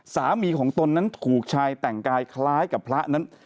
สามีของตนนั้นถูกชายแต่งกายคล้ายกับพระนั้น